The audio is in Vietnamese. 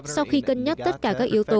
sau khi cân nhắc tất cả các yếu tố